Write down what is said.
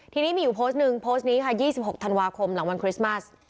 ทีนี้มีอยู่โพสต์หนึ่งโพสต์นี้ค่ะ๒๖ธันวาคมหลังวันคริสต์มัส